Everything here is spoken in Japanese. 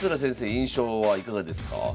印象はいかがですか？